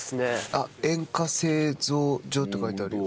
あっ「煙火製造所」って書いてあるよ。